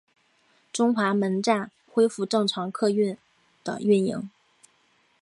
中华门站恢复正常客货运的运营。